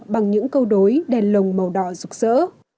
bằng những câu đối đèn lồng màu đỏ rực rỡ